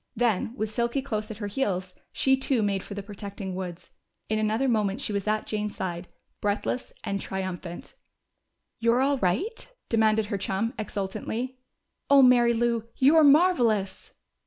Then, with Silky close at her heels, she too made for the protecting woods. In another moment she was at Jane's side, breathless and triumphant. "You're all right?" demanded her chum exultantly. "Oh, Mary Lou, you're marvelous!"